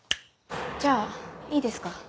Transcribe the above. じゃあいいですか？